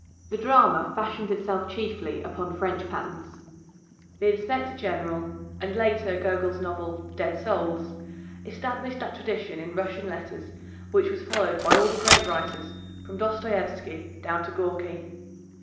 The drama fashioned itself chiefly upon French patterns. The Inspector General and later Gogol's novel, Dead Souls, established that tradition in Russian letters which was followed by all the great writers from Dostoyevsky down to Gorky.